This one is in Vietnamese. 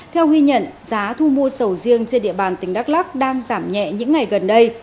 theo ghi nhận giá thu mua sầu riêng trên địa bàn tỉnh đắk lắc đang giảm nhẹ những ngày gần đây